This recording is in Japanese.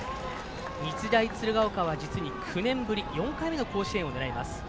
日大鶴ヶ丘は実に９年ぶり４回目の甲子園を狙います。